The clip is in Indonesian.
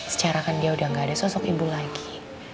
secara kan dia udah gak ada sosok ibu lagi